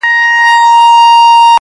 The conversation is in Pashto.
لرغوني خلک حبوبات کرل.